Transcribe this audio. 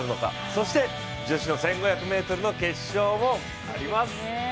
そして女子の１５００ｍの決勝もあります。